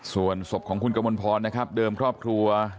ส่วนศพของคุณกมลพรนะครับเดิมครอบครัว